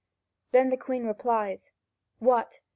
Then the Queen replies: "What?